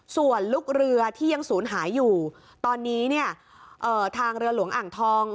ส่วนลูกเรือที่ยังศูนย์หายอยู่ตอนนี้เนี่ยทางเรือหลวงอ่างทอง